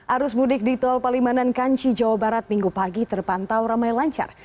arus mudik di tol palimanan kanci jawa barat minggu pagi terpantau ramai lancar